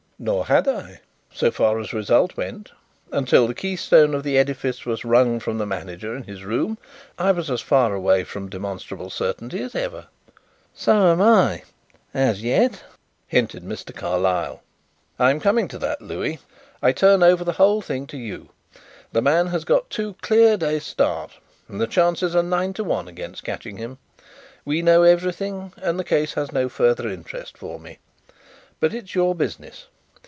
"Nor had I so far as result went. Until the keystone of the edifice was wrung from the manager in his room, I was as far away from demonstrable certainty as ever." "So am I as yet," hinted Mr. Carlyle. "I am coming to that, Louis. I turn over the whole thing to you. The man has got two clear days' start and the chances are nine to one against catching him. We know everything, and the case has no further interest for me. But it is your business.